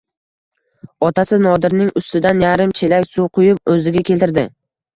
Otasi Nodirning ustidan yarim chelak suv quyib o‘ziga keltirdi.